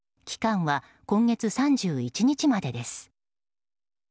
期間は今月３１日までです。